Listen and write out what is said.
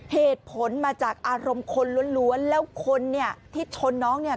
เหตุผลมาจากอารมณ์คนล้วนแล้วคนเนี่ยที่ชนน้องเนี่ย